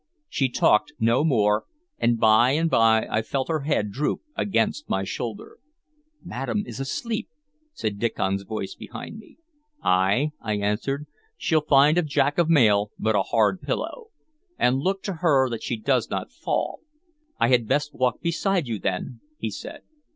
She talked no more, and by and by I felt her head droop against my shoulder. "Madam is asleep," said Diccon's voice behind me. "Ay," I answered. "She'll find a jack of mail but a hard pillow. And look to her that she does not fall." "I had best walk beside you, then," he said.